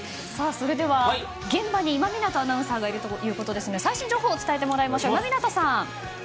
それでは現場に今湊アナウンサーがいるということですので最新情報を伝えてもらいましょう。